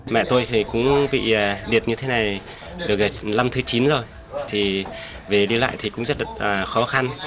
mẹ tôi thì cũng bị liệt như thế này được năm thứ chín rồi thì về đi lại thì cũng rất được khó khăn